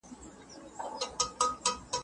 ما ویل، که نهزړیږي، بیا به یې هم د نوروز ډالۍ کړم.